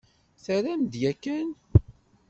Terram-d yakan?